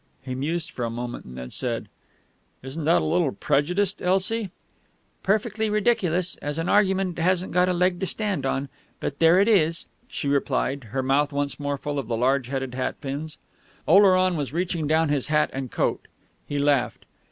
He mused for a moment, and then said: "Isn't that a little prejudiced, Elsie?" "Perfectly ridiculous. As an argument it hasn't a leg to stand on. But there it is," she replied, her mouth once more full of the large headed hat pins. Oleron was reaching down his hat and coat. He laughed.